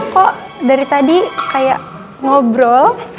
kok dari tadi kayak ngobrol